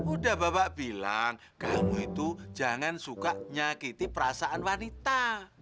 udah bapak bilang kamu itu jangan suka nyakiti perasaan wanita